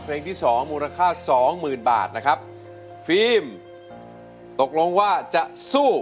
ที่สองมูลค่าสองหมื่นบาทนะครับฟิล์มตกลงว่าจะสู้